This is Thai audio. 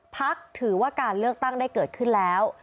พักถือว่าการเลือกตั้งได้เกิดขึ้นแล้ว